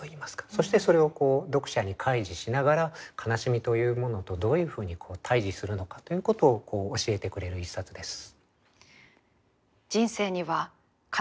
そしてそれを読者に開示しながら悲しみというものとどういうふうに対峙するのかということを教えてくれる一冊です。